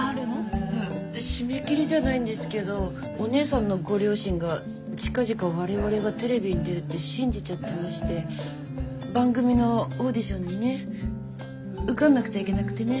いや締め切りじゃないんですけどお姉さんのご両親が近々我々がテレビに出るって信じちゃってまして番組のオーディションにね受かんなくちゃいけなくてね？